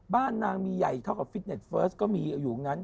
บ้านนางมีใหญ่เท่ากับฟิตเน็ตเฟิร์สก็มีอยู่อย่างนั้น